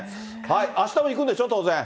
あしたも行くんでしょ？